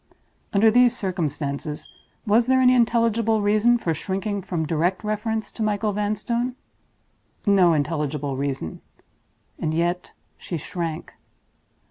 Under these circumstances, was there any intelligible reason for shrinking from direct reference to Michael Vanstone? No intelligible reason—and yet she shrank.